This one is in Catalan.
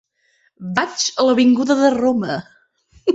Vaig a l'avinguda de Roma.